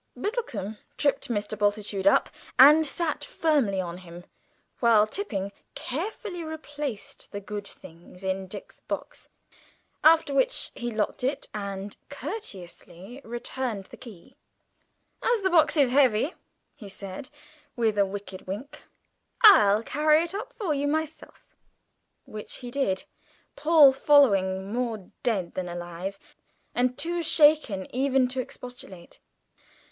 Biddlecomb tripped Mr. Bultitude up, and sat firmly on him, while Tipping carefully replaced the good things in Dick's box, after which he locked it, and courteously returned the key. "As the box is heavy," he said, with a wicked wink, "I'll carry it up for you myself," which he did, Paul following, more dead than alive, and too shaken even to expostulate.